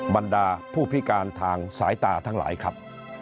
บรรดาผู้พิการทางสายตาทั้งหลายครับ